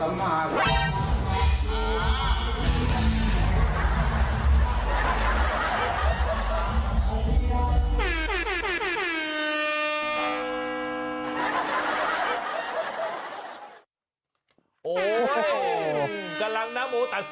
น้าโมตัสตร์น้าโมตัสตร์พระสวัสดิ์โตสัมมาสัมพุทธศาสตร์